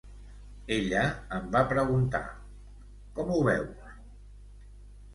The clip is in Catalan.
Ella em va preguntar: “Com ho veus?”